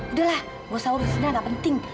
udah lah nggak usah urusinnya nggak penting